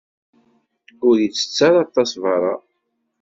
Ur itett ara aṭas berra.